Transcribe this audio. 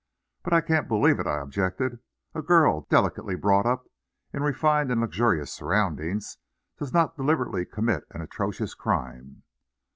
"But I can't believe it," I objected. "A girl, delicately brought up, in refined and luxurious surroundings, does not deliberately commit an atrocious crime."